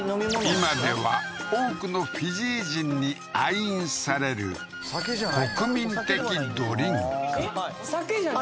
今では多くのフィジー人に愛飲されるえっお酒じゃない？